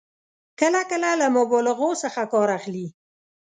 کله کله له مبالغو څخه کار اخلي.